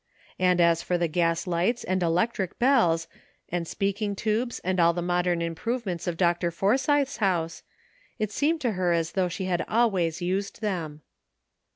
And as for the gas lights and electric bells and speaking tubes and all the modern improve ments of Dr. Forsythe's house, it seemed to her as though she had always used them.